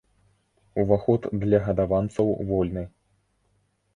Уваход для гадаванцаў вольны!